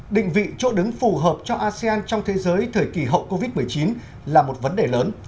định vị chỗ đứng phù hợp cho asean trong thế giới thời kỳ hậu covid một mươi chín là một vấn đề lớn